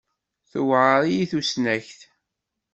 Tuεer-iyi tusnakt.